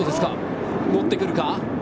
乗ってくるか？